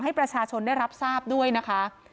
ให้ประชาชนได้รับทราบด้วยนะคะ